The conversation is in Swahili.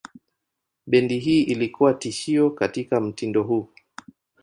Bendi hii ilikuwa tishio katika mtindo huo.